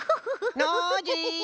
ノージー！